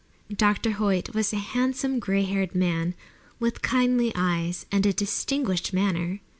Dr. Hoyt was a handsome, gray haired man, with kindly eyes and a distinguished manner.